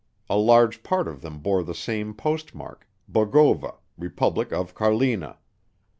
A large part of them bore the same postmark, "Bogova, Republic of Carlina."